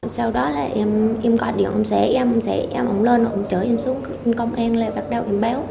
sau đó là em gọi điện ông xe em em xe em ông lên ông chở em xuống công an là bắt đầu em báo